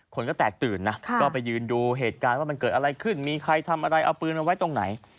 คนก็แตกตื่นนะก็ไปยืนดูเหตุการณ์ว่ามันเกิดอะไรขึ้นมีใครทำอะไรเอาปืนมาไว้ตรงไหน